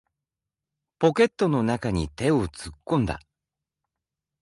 ポケットの中に手を突っ込んだ。